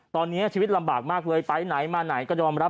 ตอนนี้ชีวิตลำบากมากเลยไปไหนมาไหนก็ยอมรับ